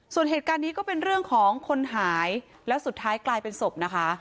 ส่วนเหตุการณ์นี้ก็เป็นเรื่องของคนหายแล้วสุดท้ายกลายเป็นศพนะคะ